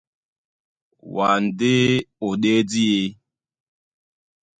Wǎ ndé ó ɗédi e.